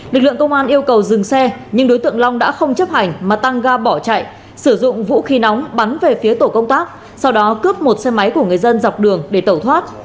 lực lượng công an yêu cầu dừng xe nhưng đối tượng long đã không chấp hành mà tăng ga bỏ chạy sử dụng vũ khí nóng bắn về phía tổ công tác sau đó cướp một xe máy của người dân dọc đường để tẩu thoát